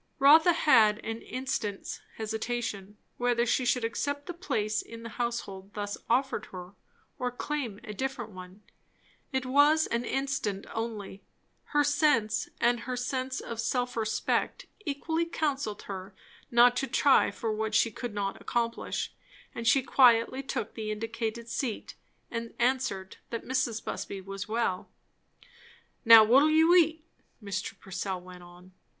Rotha had an instant's hesitation, whether she should accept the place in the household thus offered her, or claim a different one. It was an instant only; her sense and her sense of self respect equally counselled her not to try for what she could not accomplish; and she quietly took the indicated seat, and answered that Mrs. Busby was well. "Now, what'll you eat?" Mr. Purcell went on.